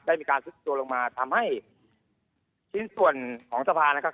ได้มีการซุดตัวลงมาทำให้ชิ้นส่วนของสะพานนะครับ